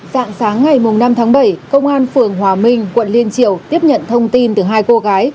dạng sáng ngày năm tháng bảy công an phường hòa minh quận liên triều tiếp nhận thông tin từ hai cô gái